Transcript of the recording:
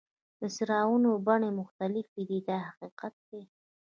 د څراغونو بڼې مختلفې دي دا حقیقت دی.